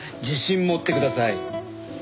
自信持ってください。